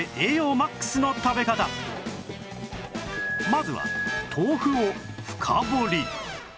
まずは豆腐を深掘り